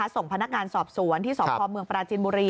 ส่งพนักงานสอบสวนที่สพเมืองปราจินบุรี